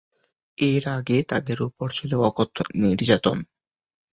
এর আগে তাঁদের ওপর চলে অকথ্য নির্যাতন।